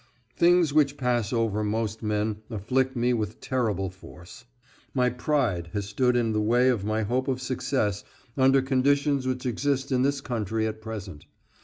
Things which pass over most men afflict me with terrible force. My pride has stood in the way of my hope of success under conditions which exist in this country at present.